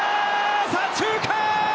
左中間！